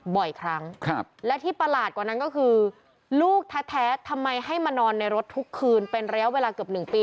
บ่อยครั้งและที่ประหลาดกว่านั้นก็คือลูกแท้ทำไมให้มานอนในรถทุกคืนเป็นระยะเวลาเกือบ๑ปี